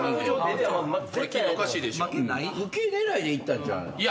ウケ狙いでいったんちゃうの？